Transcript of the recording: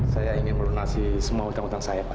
saya ingin melunasi semua hutang hutang saya pak